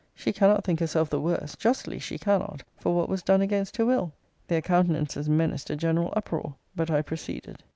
She cannot think herself the worse, justly she cannot, for what was done against her will. Their countenances menaced a general uproar but I proceeded.